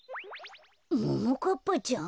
ももかっぱちゃん？